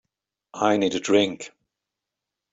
I need a drink.